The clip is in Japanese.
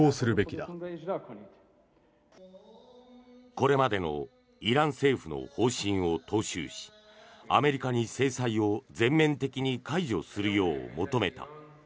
これまでのイラン政府の方針を踏襲しアメリカに、制裁を全面的に解除するよう求めた。